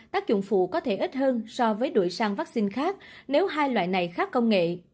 tác dụng phụ có thể ít hơn so với đuổi sang vaccine khác nếu hai loại này khác công nghệ